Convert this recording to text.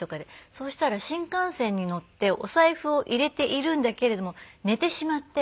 そうしたら新幹線に乗ってお財布を入れているんだけれども寝てしまって。